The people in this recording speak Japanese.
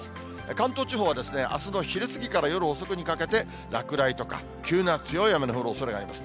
関東地方はですね、あすの昼過ぎから夜遅くにかけて、落雷とか急な強い雨の降るおそれがあります。